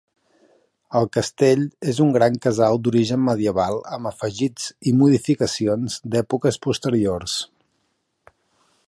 El castell és un gran casal d'origen medieval amb afegits i modificacions d'èpoques posteriors.